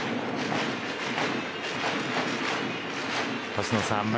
星野さん